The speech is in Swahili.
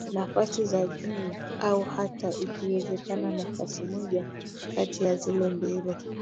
nafasi za juu au hata ikiwezekana nafasi moja kati ya zile mbili